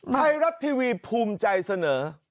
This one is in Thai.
ไทยรัฐทีวีภูมิใจเสนอ